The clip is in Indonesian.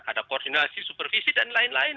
ada koordinasi supervisi dan lain lain